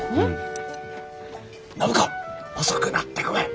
暢子遅くなってごめん！